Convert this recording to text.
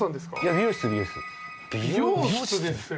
美容室ですよ。